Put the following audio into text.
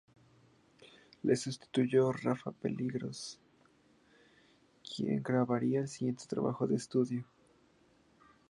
Le sustituyó Rafa Peligros, quien grabaría el siguiente trabajo de estudio.